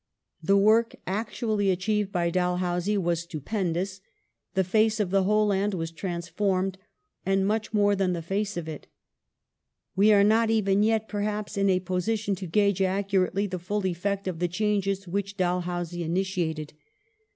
The work actually achieved by Dalhousie was stupendous : the face of the whole land was trans formed, and much more than the face of it. We are not, even yet, perhaps, in a position to gauge accurately the full effect of the changes which Dalhousie initiated.